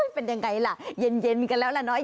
เป็นยังไงล่ะเย็นกันแล้วล่ะเนาะ